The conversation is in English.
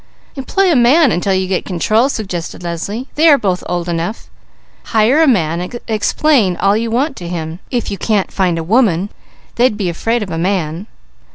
"Employ a man until you get control," suggested Leslie. "They are both old enough; hire a man, and explain all you want to him. They'd be afraid of a man."